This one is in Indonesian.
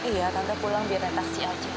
iya tante pulang biar ada taksi saja